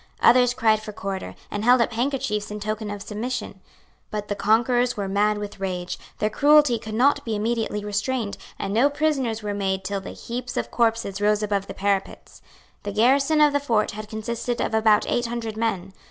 Others cried for quarter, and held up handkerchiefs in token of submission. But the conquerors were mad with rage; their cruelty could not be immediately restrained; and no prisoners were made till the heaps of corpses rose above the parapets. The garrison of the fort had consisted of about eight hundred men.